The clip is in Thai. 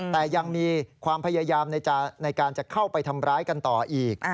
แต่ยังมีความพยายามในการจะเข้าไปทำร้ายกันต่ออีก